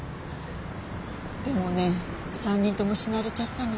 でもね３人とも死なれちゃったの。